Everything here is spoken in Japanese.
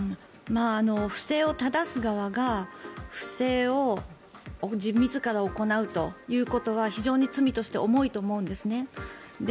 不正を正す側が不正を自ら行うということは非常に罪としては重いと思うんですね。